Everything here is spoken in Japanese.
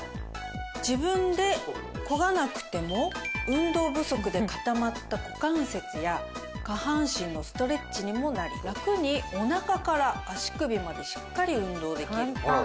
運動不足で固まった股関節や下半身のストレッチにもなりラクにおなかから足首までしっかり運動できる。